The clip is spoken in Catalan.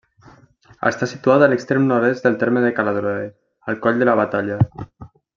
Està situat a l'extrem nord-est del terme de Caladroer, al Coll de la Batalla.